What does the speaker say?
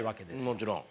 もちろん。